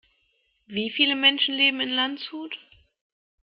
Wie viele Menschen leben in Landshut?